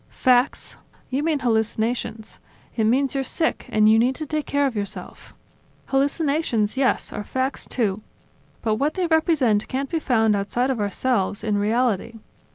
"Facts? ... You mean hallucinations. It means you're sick and you need to take care of yourself. Hallucinations, yes, are facts, too; but what they represent can't be found outside of ourselves, in reality.